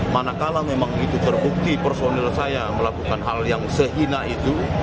manakala memang itu terbukti personil saya melakukan hal yang sehina itu